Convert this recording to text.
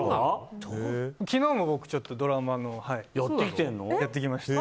昨日も僕ちょっと、ドラマのをやってきました。